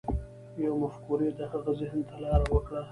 يوې مفکورې د هغه ذهن ته لار وکړه.